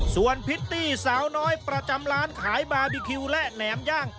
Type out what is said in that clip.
ส่วนพิตตี้สาวน้อยประจำร้านขายบาร์บีคิวและแหนมย่าง